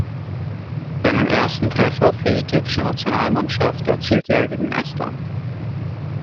Seinen ersten Treffer für die türkische Nationalmannschaft erzielte er gegen Estland.